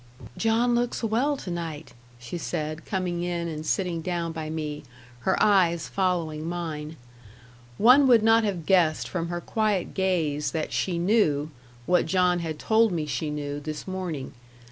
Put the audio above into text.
"John looks well to night," she said, coming in and sitting down by me, her eyes following mine. One would not have guessed from her quiet gaze that she knew what John had told me she knew, this morning.